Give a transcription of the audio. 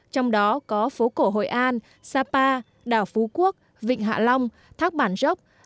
trong đó có phố cổ hội an sapa đảo phú quốc vịnh hạ long thác bản rốc đà lạt rừng cúc phương hệ thống cáp treo ở nha trang